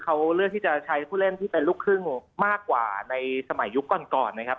เขาเลือกที่จะใช้ผู้เล่นที่เป็นลูกครึ่งมากกว่าในสมัยยุคก่อนก่อนนะครับ